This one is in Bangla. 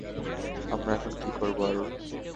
আমরা এখন কি করব আরুল?